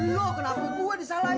loh kenapa gue disalahin